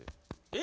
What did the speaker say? え！